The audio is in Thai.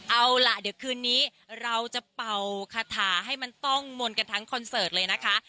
เอาล่ะเดี๋ยวคืนนี้เราจะเป่าคาถาให้มันต้องมนต์กันทั้งคอนเสิร์ตเลยนะคะ